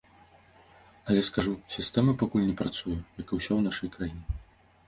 Але скажу, сістэма пакуль не працуе, як і ўсё ў нашай краіне.